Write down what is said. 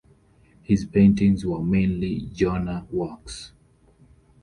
His paintings were mainly genre works.